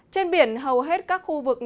trên biển hầu hết các khu vực